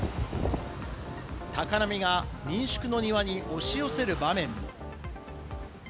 高波が民宿の庭に押し寄せる場面も。